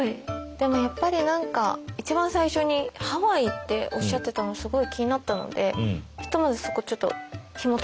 でもやっぱり何か一番最初にハワイっておっしゃってたのすごい気になったのでひとまずそこちょっとひもといてもいいですか？